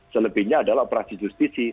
selebihnya adalah operasi justisi